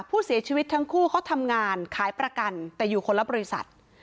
ผู้เสียชีวิตทั้งคู่เขาทำงานขายประกันแต่อยู่คนละบริษัท